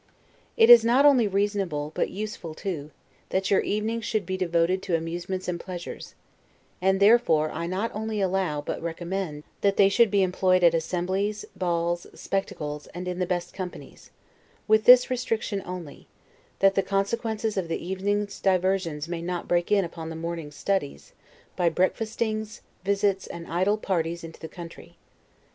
It is not only reasonable, but useful too, that your evenings should be devoted to amusements and pleasures: and therefore I not only allow, but recommend, that they should be employed at assemblies, balls, SPECTACLES, and in the best companies; with this restriction only, that the consequences of the evening's diversions may not break in upon the morning's studies, by breakfastings, visits, and idle parties into the country.